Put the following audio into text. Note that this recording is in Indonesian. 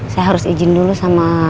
saya harus izin dulu sama